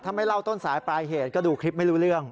ถ้าไม่เล่าต้นสายปลายเหตุก็ดูคลิปไม่รู้เรื่อง